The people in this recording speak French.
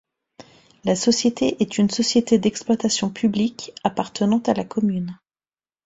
La société est une société d'exploitation publique, appartenant à la commune.